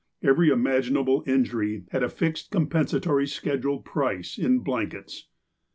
Every imaginable injury had a fixed compensatory schedule price in blankets.